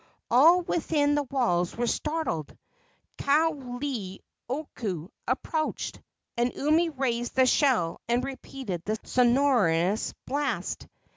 All within the walls were startled. Kaoleioku approached, and Umi raised the shell and repeated the sonorous blast.